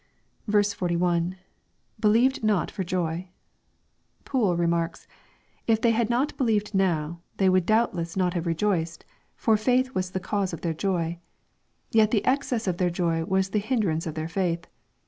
il. — [Believed not for joy .] Poole remarks, "If they had not be heved now, they would • doubtless not have rejoiced, for faith was the cause of their joy. Yet the excess of their joy was the hinder ance of their faith.